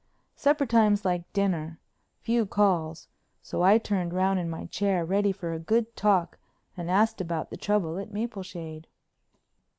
Supper time's like dinner—few calls—so I turned round in my chair, ready for a good talk, and asked about the trouble at Mapleshade.